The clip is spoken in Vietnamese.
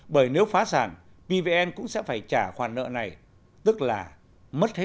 bởi nếu phá sản pvn cũng sẽ bảo lãnh